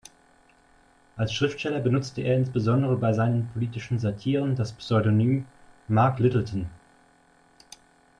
Als Schriftsteller benutzte er insbesondere bei seinen politischen Satiren das Pseudonym "Mark Littleton.